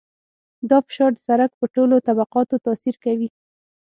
دا فشار د سرک په ټولو طبقاتو تاثیر کوي